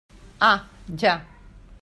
Ah, ja.